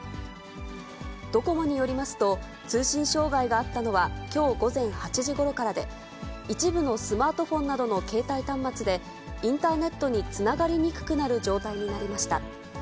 ドコモによりますと、通信障害があったのは、きょう午前８時ごろからで、一部のスマートフォンなどの携帯端末で、インターネットにつながりにくくなる状態になりました。